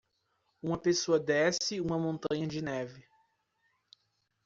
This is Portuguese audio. Uma pessoa desce uma montanha de neve.